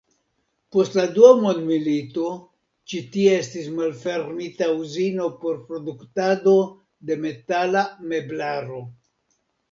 Post la dua mondmilito ĉi tie estis malfermita uzino por produktado de metala meblaro.